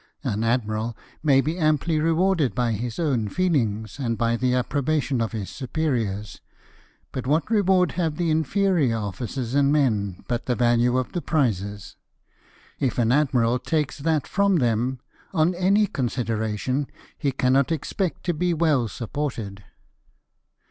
An admiral may be amply rewarded by his own feelings, and by the approbation of his superiors ; but what reward have the inferior officers and men but the value of the prizes ? If an admiral takes that from them, on any consideration, he cannot expect to be well supported."